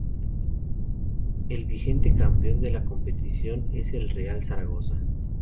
El vigente campeón de la competición es el Real Zaragoza.